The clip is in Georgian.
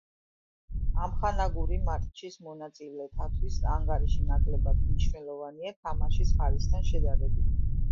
ამხანაგური მატჩის მონაწილეთათვის ანგარიში ნაკლებ მნიშვნელოვანია თამაშის ხარისხთან შედარებით.